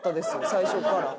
最初から。